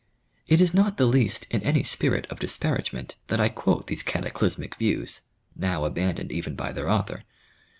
It is not the least in any spirit of disparagement that I quote these cataclysmic views, now abandoned even by their author.